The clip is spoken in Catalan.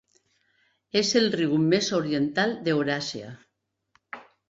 És el riu més oriental d'Euràsia.